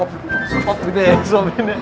apa nih mah